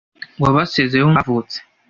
wabasezeyeho umunsi bavutse